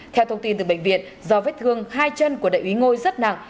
theo thông tin từ bệnh viện do vết thương hai chân của đại úy ngôi rất nặng